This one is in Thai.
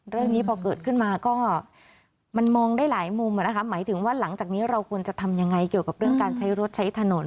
เรื่องนี้พอเกิดขึ้นมาก็มันมองได้หลายมุมหมายถึงว่าหลังจากนี้เราควรจะทำยังไงเกี่ยวกับเรื่องการใช้รถใช้ถนน